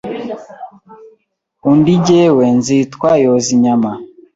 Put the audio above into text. Undi jyewe nzitwa Yozinyama,